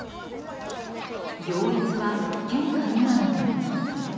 行列は献花以外にも。